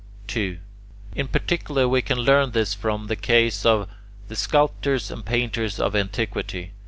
2. In particular we can learn this from the case of the sculptors and painters of antiquity.